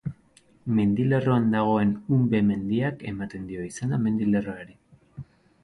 Mendilerroan dagoen Unbe mendiak ematen dio izena mendilerroari.